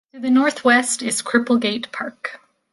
To the northwest is Cripplegate Park.